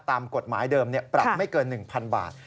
ตามกฎหมายเดิมปรับไม่เกิน๑๐๐๐บาท